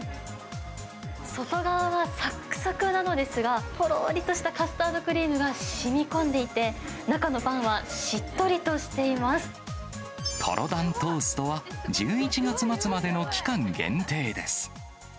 外側はさっくさくなのですが、とろーりとしたカスタードクリームがしみこんでいて、中のパンはとろ断トーストは、１１月末までの期間限定です。